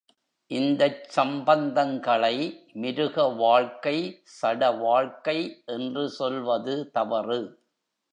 இந்தச் சம்பந்தங்களை மிருக வாழ்க்கை, சடவாழ்க்கை என்று சொல்வது தவறு.